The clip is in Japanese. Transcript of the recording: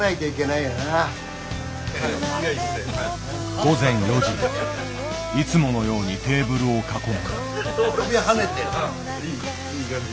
午前４時いつものようにテーブルを囲む。